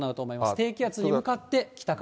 低気圧に向かって北風。